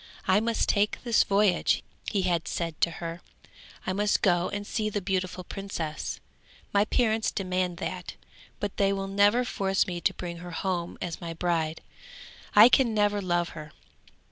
'I must take this voyage,' he had said to her; 'I must go and see the beautiful princess; my parents demand that, but they will never force me to bring her home as my bride; I can never love her!